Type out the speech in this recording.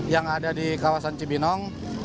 yang ada di kawasan cibinong